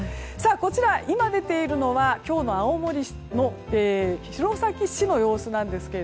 こちら、今出ているのは今日の青森の弘前市の様子です。